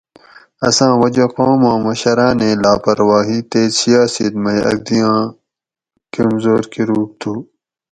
اساں وجہ قوماں مشراۤنیں لاپرواہی تے سیاسِت مئی اکدیاں کمزور کۤروگ تُھو